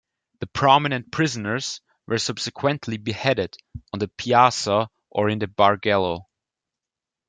The prominent prisoners were subsequently beheaded on the Piazza or in the Bargello.